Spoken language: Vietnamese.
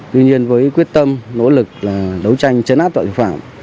tuy nhiên với quyết tâm nỗ lực đấu tranh chấn áp tội phạm